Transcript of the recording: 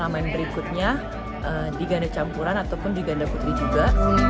dan aku akan main berikutnya di ganda campuran ataupun di ganda putri juga